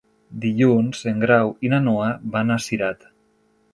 Dilluns en Grau i na Noa van a Cirat.